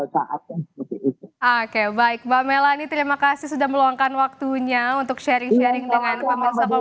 oke baik mbak melani terima kasih sudah meluangkan waktunya untuk sharing sharing dengan pemerintah